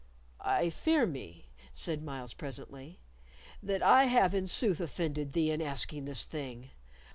"I fear me," said Myles, presently, "that I have in sooth offended thee in asking this thing.